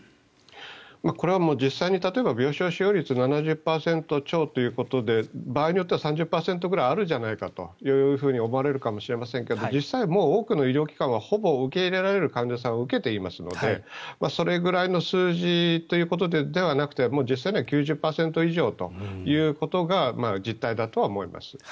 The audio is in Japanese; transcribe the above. これは実際に例えば病床使用率７０％超ということで場合によっては３０％くらいあるじゃないかと思われるかもしれませんが実際、もう多くの医療機関はほぼ受け入れられる患者さんは受けていますのでそれくらいの数字ということではなくて実際には９０％以上ということが実態だとは思います。